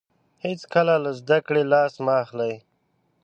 هیڅکله له زده کړې لاس مه اخلئ.